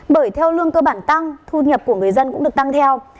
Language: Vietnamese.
bởi theo lương cơ bản tăng thu nhập của người dân cũng được tăng theo